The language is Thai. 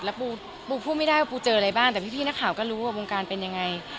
แล้วปูปูพูดไม่ได้ว่าปูเจออะไรบ้างแต่พี่นักข่าวก็รู้ว่าวงการเป็นยังไง